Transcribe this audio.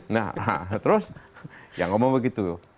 nah terus yang ngomong begitu